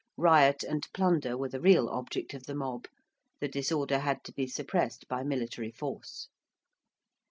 Riot and plunder were the real object of the mob. The disorder had to be suppressed by military force.